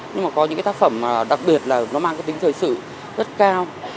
nhưng mà có những cái tác phẩm đặc biệt là nó mang cái tính thời sự rất cao